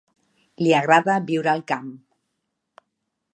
Li agrada viure al camp.